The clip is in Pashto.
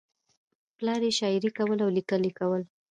پلار یې شاعري کوله او لیکل یې کول